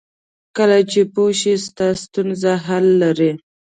کله چې پوه شې ستا ستونزه حل لري.